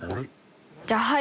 じゃあ、はい！